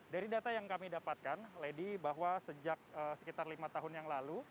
dari data yang kami dapatkan lady bahwa sejak sekitar lima tahun yang lalu